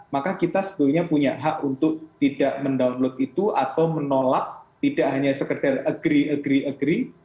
maka kita sebetulnya punya hak untuk tidak mendownload itu atau menolak tidak hanya sekedar agree agree agree